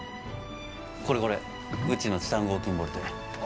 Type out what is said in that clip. これこれうちのチタン合金ボルトや。